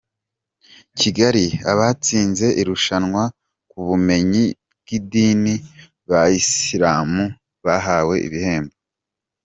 Kigali Abatsinze irushanwa ku bumenyi bw’idini yabisiramu bahawe ibihembo